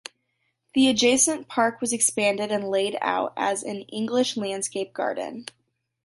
The adjacent park was expanded and laid out as an English landscape garden.